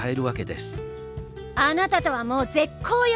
あなたとはもう絶交よ！